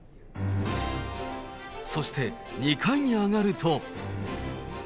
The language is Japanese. そして２階に上がると。